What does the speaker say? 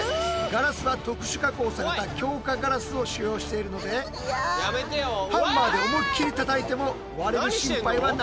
ガラスは特殊加工された強化ガラスを使用しているのでハンマーで思いっきりたたいても割れる心配はないんですって。